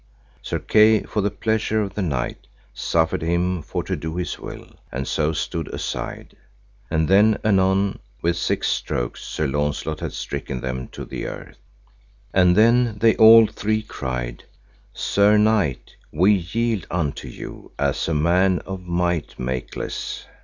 Sir Kay, for the pleasure of the knight, suffered him for to do his will, and so stood aside. And then anon within six strokes, Sir Launcelot had stricken them to the earth. And then they all three cried: Sir knight, we yield us unto you as a man of might makeless.